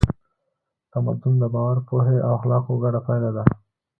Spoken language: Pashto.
تمدن د باور، پوهې او اخلاقو ګډه پایله ده.